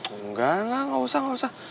engga engga gausah gausah